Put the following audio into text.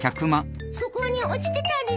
そこに落ちてたです。